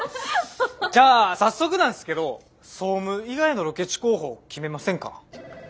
じゃあ早速なんすけど総務以外のロケ地候補を決めませんか。